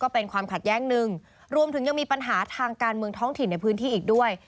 เป็นความขัดแย้งหนึ่งรวมถึงยังมีปัญหาทางการเมืองท้องถิ่นในพื้นที่อีกด้วย